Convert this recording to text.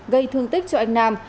gây thương tích cho anh nam